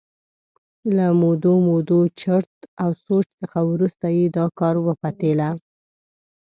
له مودو مودو چرت او سوچ څخه وروسته یې دا کار وپتېله.